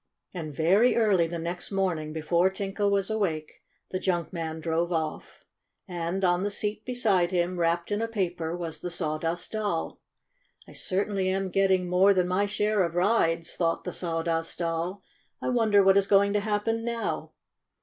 And very early the next morning, before Tinka was awake, the junk man drove off. And, on the seat beside him, wrapped in a paper, was the Sawdust Doll. "I certainly am getting more than my share of rides," thought the Sawdust Doll. "I wonder what is going to happen now!"